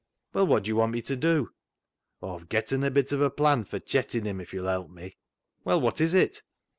" Well, what do you want me to do ?"" Aw've getten a bit of a plan fur chettin' him, if yo'll help me." " Well, what is it